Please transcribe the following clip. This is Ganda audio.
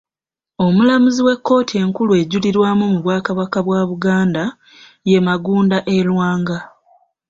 Omulamuzi w’ekkooti enkulu ejulirwamu mu bwakabaka bwa Buganda ye Magunda e Lwanga.